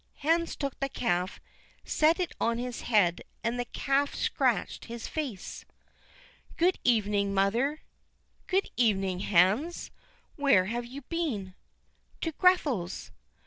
Hans took the calf, set it on his head, and the calf scratched his face. "Good evening, mother." "Good evening, Hans. Where have you been?" "To Grethel's."